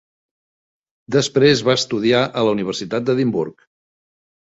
Després va estudiar a la Universitat d"Edinburgh.